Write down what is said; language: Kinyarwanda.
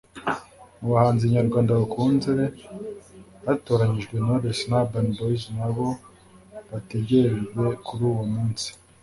mu bahanzi nyarwanda bakunzwe hatoranyijwe Knowless na Urban Boyz nabo bategerejwe kuri uwo munsi